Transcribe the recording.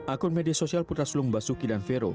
akun media sosial putra sulung basuki dan vero